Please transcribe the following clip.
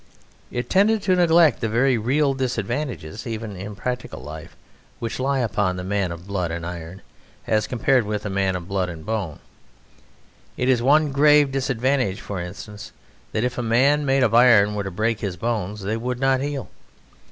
It tended to neglect the very real disadvantages, even in practical life, which lie upon the man of blood and iron, as compared with the man of blood and bone. It is one grave disadvantage, for instance, that if a man made of iron were to break his bones, they would not heal.